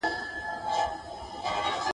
له هيبته ډک مخونه !.